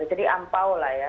jadi ampau lah ya